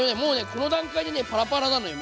この段階でねパラパラなのよ